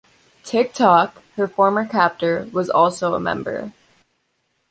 Tick-Tock, her former captor, was also a member.